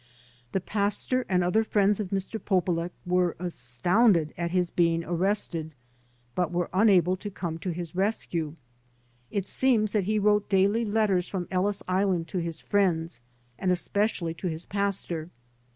The pastor and other friends of Mr. Polulech were astounded at his being arrested, but were unable to come to his rescue. It seems that he wrote daily letters from Ellis Island to his friends and especially to his pastor.